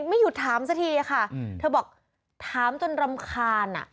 ไม่หยุดถามสักทีค่ะเธอบอกถามจนรำคาญอ่ะ